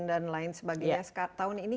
dan lain sebagainya tahun ini